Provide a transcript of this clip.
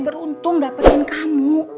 beruntung dapetin kamu